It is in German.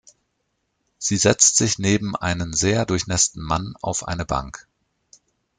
Sie setzt sich neben einen sehr durchnässten Mann auf eine Bank.